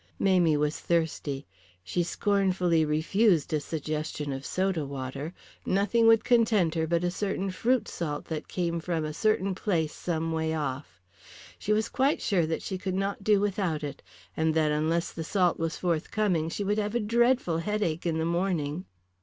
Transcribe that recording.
Mamie was thirsty. She scornfully refused a suggestion of soda water; nothing would content her but a certain fruit salt that came from a certain place some way off. She was quite sure that she could not do without it, and that unless the salt was forthcoming she would have a dreadful headache in the morning.